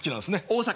大阪。